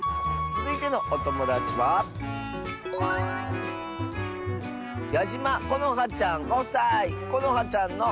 つづいてのおともだちはこのはちゃんの。